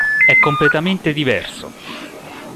È completamente diverso!